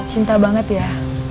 cinta banget ya